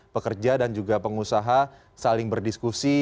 pekerja dan juga pengusaha saling berdiskusi